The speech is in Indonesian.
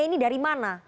ini dari mana